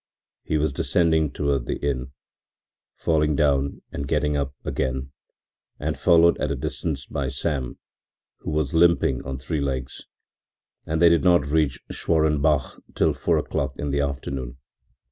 He was descending toward the inn, falling down and getting up again, and followed at a distance by Sam, who was limping on three legs, and they did not reach Schwarenbach until four o'clock in the afternoon.